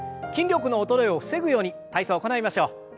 筋力の衰えを防ぐように体操行いましょう。